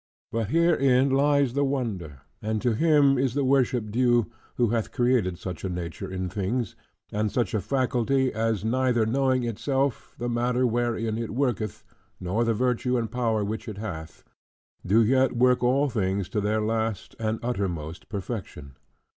But herein lies the wonder: and to him is the worship due, who hath created such a nature in things, and such a faculty, as neither knowing itself, the matter wherein it worketh, nor the virtue and power which it hath; do yet work all things to their last and uttermost perfection.